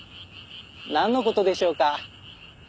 なんの事でしょうか？